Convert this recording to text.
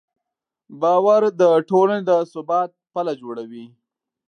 باور د ټولنې د ثبات پله جوړوي.